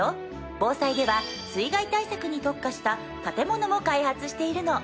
防災では水害対策に特化した建物も開発しているの！